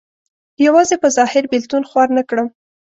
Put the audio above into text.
یوازې په ظاهر بېلتون خوار نه کړم.